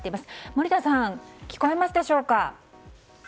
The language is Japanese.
森田さん、聞こえますでしょうか。